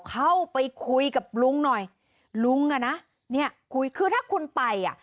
เข้าไปคุยกับลุงหน่อยลุงอ่ะนะเนี่ยคุยคือถ้าคุณไปอ่ะ